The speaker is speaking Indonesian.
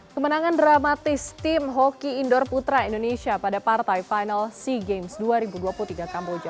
kemenangan dramatis tim hoki indoor putra indonesia pada partai final sea games dua ribu dua puluh tiga kamboja